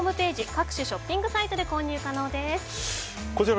各種ショッピングサイトで購入可能です。